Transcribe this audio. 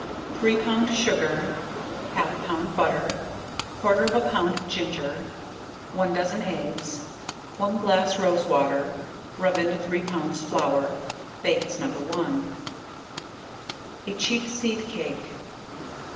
Three pound sugar, half pound butter, quarter of a pound of ginger, one doz. eggs, one glass rose water, rub into three pounds flour, bake as No. 1. A cheap seed Cake.